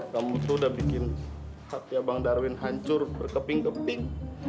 kamu tuh udah bikin hati bang darwin hancur berkeping kepiting